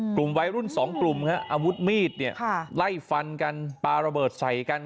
กลุ่มวัยรุ่น๒กลุ่มอาวุธมีดเนี่ยไล่ฟันกันปลาระเบิดใส่กัน